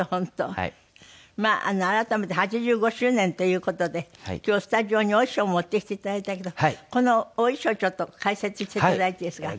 まあ改めて８５周年という事で今日スタジオにお衣装持ってきていただいたけどこのお衣装ちょっと解説していただいていいですか？